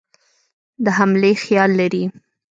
د حملې خیال لري.